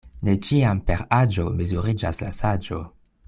Ne ĉiam per aĝo mezuriĝas la saĝo.